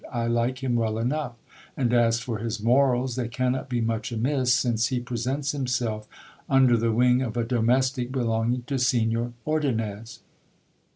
I like him well enough ; and as for his morals, they cannot be much amiss, since he presents himself under the wing of a domestic belonging to Signor Ordonnez.